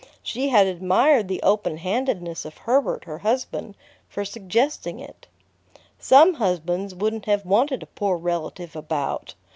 She had admired the open handedness of Herbert, her husband, for suggesting it. Some husbands wouldn't have wanted a poor relative about.